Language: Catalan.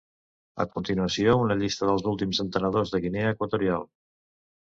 A continuació, una llista dels últims entrenadors de Guinea Equatorial.